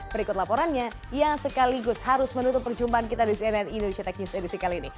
berikut laporannya yang sekaligus harus menutup perjumpaan kita di cnn indonesia tech news edisi kali ini